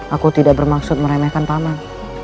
aku tidak bermaksud meremehkan paman